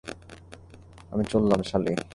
আমি চললাম, সালি।